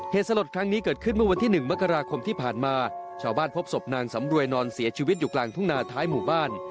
สลดครั้งนี้เกิดขึ้นเมื่อวันที่๑มกราคมที่ผ่านมาชาวบ้านพบศพนางสำรวยนอนเสียชีวิตอยู่กลางทุ่งนาท้ายหมู่บ้าน